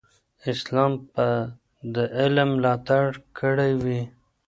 اسلام به د علم ملاتړ کړی وي.